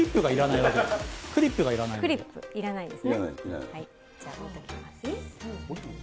いらないです。